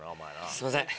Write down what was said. すいません。